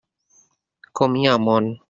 Com hi ha món!